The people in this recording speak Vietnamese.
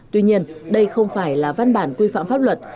tuy nhiên đây không phải là văn bản quy phạm pháp luật